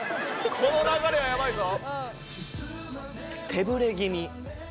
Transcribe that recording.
この流れはやばいぞ。